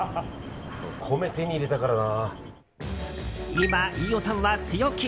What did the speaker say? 今、飯尾さんは強気。